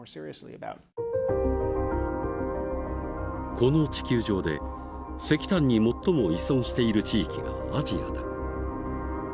この地球上で石炭に最も依存している地域がアジアだ。